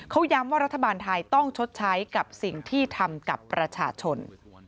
เขาย้ำว่ารัฐบาลไทยต้องชดใช้กับสิ่งที่ทำกับประชาชน